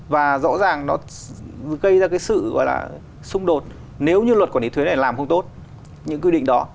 và rõ ràng nó gây ra cái sự gọi là xung đột nếu như luật quản lý thuế này làm không tốt những quy định đó